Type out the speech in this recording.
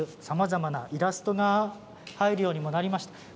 さまざまなイラストが入るようにもなりました。